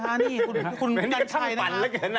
เฮ้น้ำปั่น